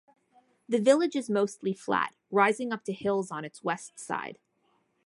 The village is mostly flat, rising up to hills on its west side.